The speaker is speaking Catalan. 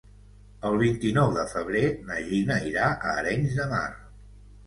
El vint-i-nou de febrer na Gina irà a Arenys de Mar.